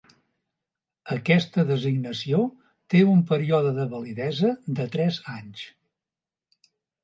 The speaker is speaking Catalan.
Aquesta designació té un període de validesa de tres anys.